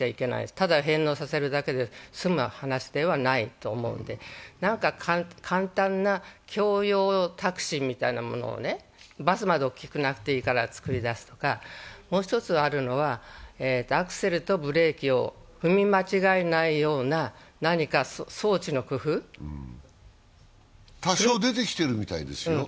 ただ返納させるだけで済む話ではないと思うんで、何か簡単な共用タクシーみたいなものをね、バスまで大きくなくていいから作り出すとか、もう一つあるのは、アクセルとブレーキを踏み間違えないような多少出てきてるみたいですよ。